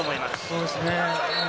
そうですね。